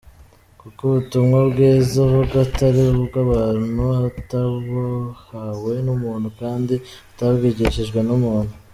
Kuko ubutumwa bwiza avuga atari ubw’abantu, atabuhawe n’umuntu kandi atabwigishijwe n’umuntu.